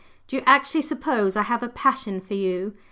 Do you actually suppose I have a 'passion' for you?"